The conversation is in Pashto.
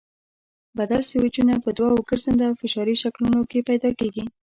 بدل سویچونه په دوو ګرځنده او فشاري شکلونو کې پیدا کېږي.